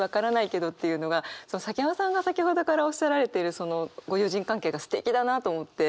崎山さんが先程からおっしゃられてるそのご友人関係がすてきだなと思って。